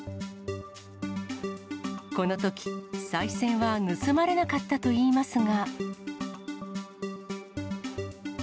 このとき、さい銭は盗まれなかったといいますが。